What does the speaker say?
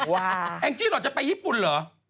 ว้าวอังจริงหรอจะไปญี่ปุ่นเหรอ